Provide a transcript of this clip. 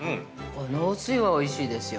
◆このおつゆは、おいしいですよ。